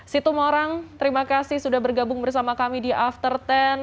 situ morang terima kasih sudah bergabung bersama kami di after sepuluh